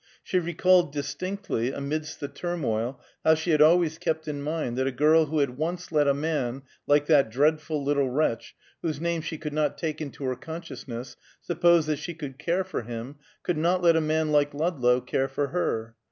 She recalled distinctly, amidst the turmoil, how she had always kept in mind that a girl who had once let a man, like that dreadful little wretch, whose name she could not take into her consciousness, suppose that she could care for him, could not let a man like Ludlow care for her.